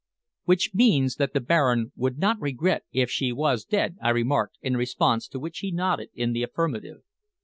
"Which means that the Baron would not regret if she was dead," I remarked, in response to which he nodded in the affirmative.